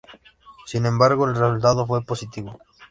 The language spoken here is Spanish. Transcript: Sin embargo el resultado fue positivo.